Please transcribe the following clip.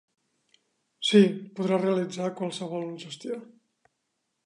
Sí, podrà realitzar qualsevol gestió.